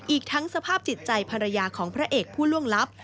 อีกทั้งสภาพจิตใจภรรยาของพระเอกผู้ล่วงลับ